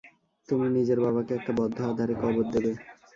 তুমি নিজের বাবাকে একটা বদ্ধ আধারে কবর দেবে।